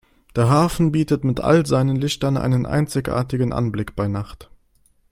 Der Hafen bietet mit all seinen Lichtern einen einzigartigen Anblick bei Nacht.